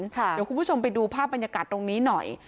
เดี๋ยวคุณผู้ชมไปดูภาพบรรยากาศตรงนี้หน่อย